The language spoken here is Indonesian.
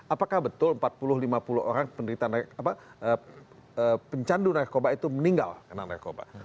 apakah betul empat puluh lima puluh orang pencandu narkoba itu meninggal karena narkoba